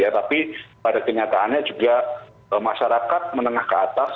tapi pada kenyataannya juga masyarakat menengah ke atas